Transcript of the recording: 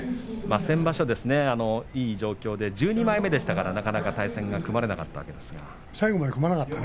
先場所いい状況で１２枚目でしたからなかなか対戦が組まれませんでした。